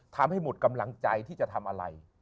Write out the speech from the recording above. ทำให้หมดกำลังใจที่จะทำอะไร